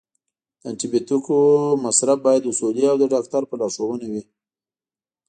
د انټي بیوټیکونو مصرف باید اصولي او د ډاکټر په لارښوونه وي.